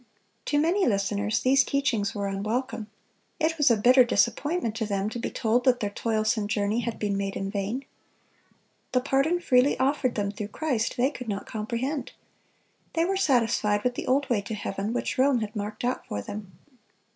(247) To many listeners these teachings were unwelcome. It was a bitter disappointment to them to be told that their toilsome journey had been made in vain. The pardon freely offered to them through Christ they could not comprehend. They were satisfied with the old way to heaven which Rome had marked out for them.